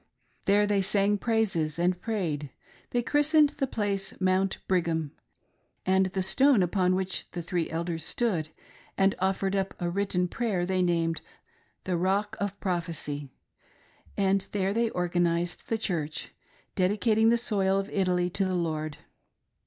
There they sang praises and prayed: — they christened the place " Mount Brigham ;" and the stone upon which the three elders stood and offered. up a written prayer, they named "The Rock of Prophecy" ; and there they organised the church — dedicating the soil of Italy to the Lord.